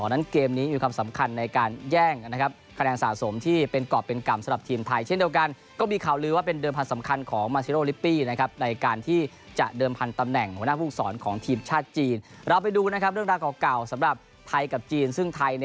นั้นเกมนี้มีความสำคัญในการแย่ง